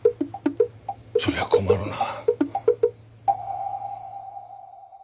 そりゃ困るな。